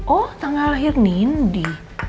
oh tanggal lahir nindi